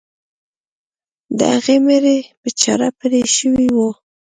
د هغه مرۍ په چاړه پرې شوې وه.